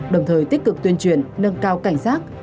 đồng thời tích cực tuyên truyền nâng cao cảnh giác